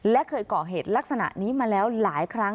และเคยเกาะเหตุลักษณะนี้มาแล้วหลายครั้ง